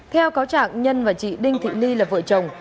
theo cáo trạng nhân và chị đinh thị ly là vợ chồng